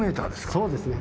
そうですね。